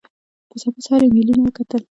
په سبا سهار ایمېلونه وکتل.